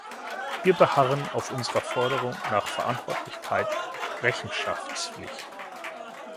Wir beharren auf unserer Forderung nach Verantwortlichkeit und Rechenschaftspflicht.